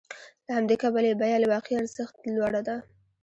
له همدې کبله یې بیه له واقعي ارزښت لوړه ده